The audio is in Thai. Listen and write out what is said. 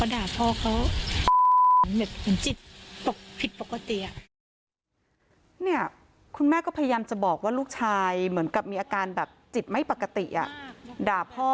เนี่ยคุณแม่ก็พยายามจะบอกว่าลูกชายเหมือนกับมีอาการจิตไม่ปกติอะ